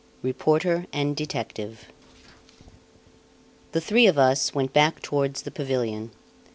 Reporter and Detective The three of us went back towards the pavilion.